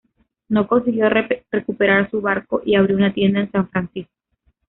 No consiguió recuperar su barco y abrió una tienda en San Francisco.